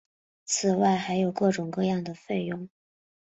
此外还有各种各样的费用。